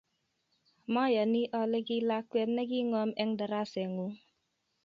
mayani ole ki lakwet ne king'om eng daraset ng'uung